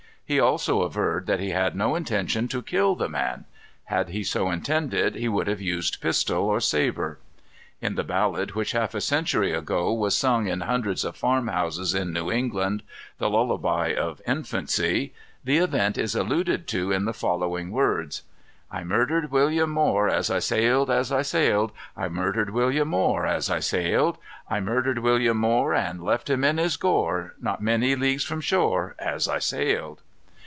He also averred that he had no intention to kill the man. Had he so intended he would have used pistol or sabre. In the ballad which, half a century ago, was sung in hundreds of farm houses in New England, the lullaby of infancy, the event is alluded to in the following words: "I murdered William Moore, as I sailed, as I sailed, I murdered William Moore as I sailed; I murdered William Moore, and left him in his gore, Not many leagues from shore, as I sailed."